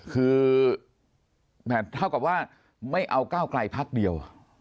คือเท่ากับว่าไม่เอาก้าวไกลพักเดียว